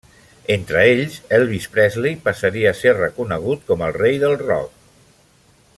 Entre ells, Elvis Presley passaria a ser reconegut com el rei del rock.